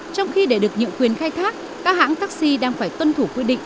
trong khi để được nhượng quyền khai thác các hãng taxi đang phải tuân thủ quy định